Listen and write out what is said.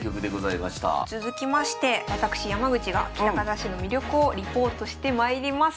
続きまして私山口が喜多方市の魅力をリポートしてまいります。